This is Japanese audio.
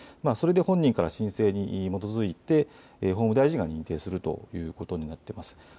それで本人から申請に基づいて法務大臣が認定するということになっています。